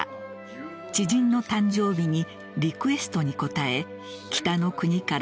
知人の誕生日にリクエストに応え「北の国から」